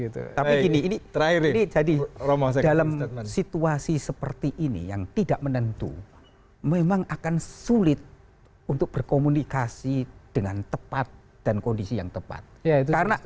tapi gini ini jadi dalam situasi seperti ini yang tidak menentu memang akan sulit untuk berkomunikasi dengan tepat dan kondisi yang tepat